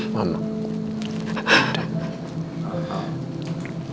nggak ada yang salah disini